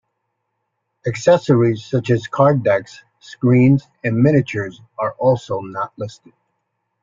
Accessories such as card decks, screens and miniatures are also not listed.